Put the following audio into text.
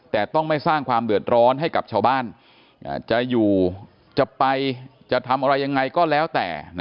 แต่ต้องไม่สร้างความเดือดร้อนให้กับชาวบ้านจะอยู่จะไปจะทำอะไรยังไงก็แล้วแต่